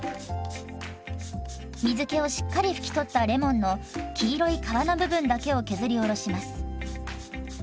水けをしっかりふき取ったレモンの黄色い皮の部分だけを削りおろします。